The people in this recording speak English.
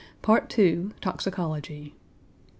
PART II TOXICOLOGY I.